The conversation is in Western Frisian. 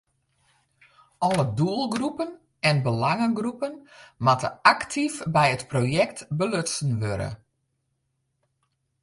Alle doelgroepen en belangegroepen moatte aktyf by it projekt belutsen wurde.